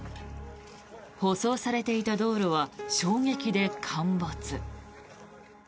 舗装されていた道路は衝撃で陥没。